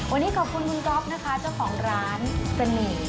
วันนี้ขอบคุณคุณก๊อฟนะคะเจ้าของร้านเสน่ห์